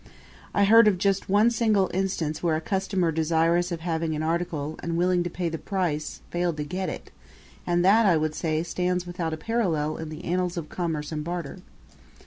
I heard of just one single instance where a customer desirous of having an article and willing to pay the price failed to get it; and that, I would say, stands without a parallel in the annals of commerce and barter.